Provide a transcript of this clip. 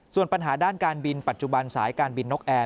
ส่วนปัญหาด้านการบินปัจจุบันสายการบินนกแอร์